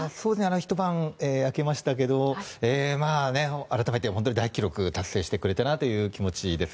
ひと晩明けましたけれど改めて本当に大記録を達成してくれたなという気持ちです。